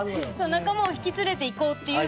仲間を引き連れていこうっていう。